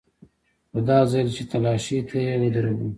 خو دا ځل چې تلاشۍ ته يې ودرولو.